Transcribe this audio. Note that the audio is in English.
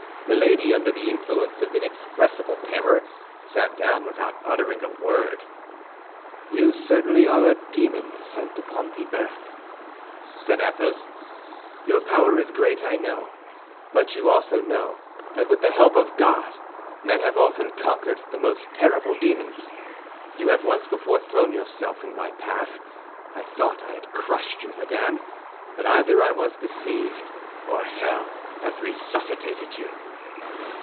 Milady, under the influence of inexpressible terror, sat down without uttering a word. "You certainly are a demon sent upon the earth!" said Athos. "Your power is great, I know; but you also know that with the help of God men have often conquered the most terrible demons. You have once before thrown yourself in my path. I thought I had crushed you, madame; but either I was deceived or hell has resuscitated you!"